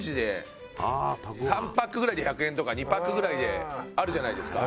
３パックぐらいで１００円とか２パックぐらいであるじゃないですか。